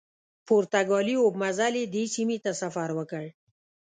پرتګالي اوبمزلي دې سیمې ته سفر وکړ.